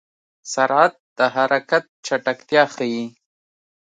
سرعت د حرکت چټکتیا ښيي.